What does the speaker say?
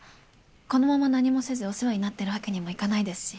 このまま何もせずお世話になってるわけにもいかないですし。